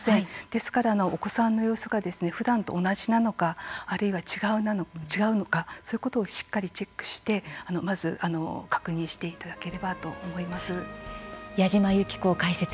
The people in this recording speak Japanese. ですから、お子さんの様子がふだんと同じなのかあるいは違うのかそういうことをしっかりチェックしてまず確認していただければと思います。